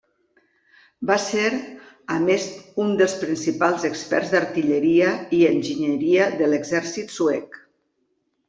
Va ser a més un dels principals experts d'artilleria i enginyeria de l'exèrcit suec.